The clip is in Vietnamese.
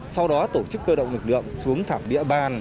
sau đó tổ chức cơ động lực lượng xuống thẳng địa bàn